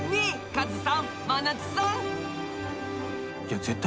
カズさん真夏さん。